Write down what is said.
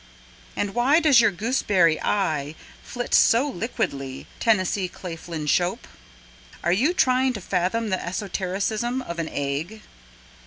And why does your gooseberry eye Flit so liquidly, Tennessee Claflin Shope? Are you trying to fathom the esotericism of an egg?